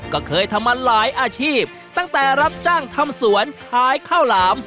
ก็เคยทำมาหลายอาชีพตั้งแต่รับจ้างทำสวนขายข้าวหลาม